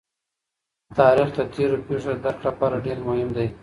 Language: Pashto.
تاریخ د تېرو پېښو د درک لپاره ډېر مهم دی.